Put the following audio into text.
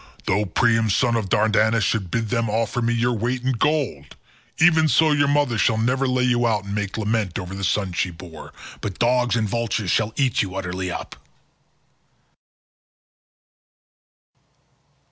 Though Priam son of Dardanus should bid them offer me your weight in gold, even so your mother shall never lay you out and make lament over the son she bore, but dogs and vultures shall eat you utterly up."